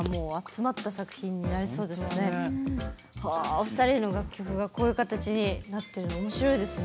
お二人の楽曲がこういう形になってるのおもしろいですね。